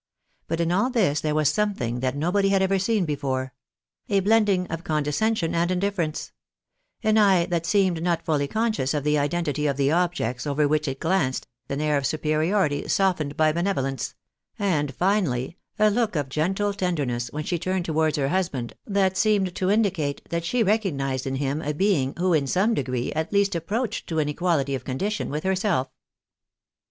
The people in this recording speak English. Bub in aU this there was something that nobody had ever seen before J a blending of condescension and indifference ; an eye that seemed not fully conscious of the identity of the objects over which it glanced an air of superiority softened by benevolence ; and, finally, a look of gentle tenderness when she turned towards her hus band, that seemed to indicate that she recognised in him a being who in some degree at least approached to an equaUty of condition with herself.